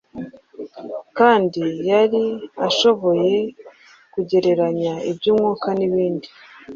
kandi yari ashoboye kugereranya iby’umwuka n’ibindi